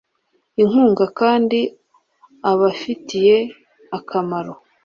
inkunga kandi abafitiye akamaro